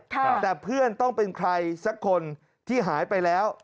แต่เพื่อนต้องเป็นใครสักคนที่หายไปแล้ว